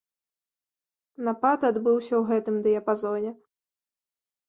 Напад адбыўся ў гэтым дыяпазоне.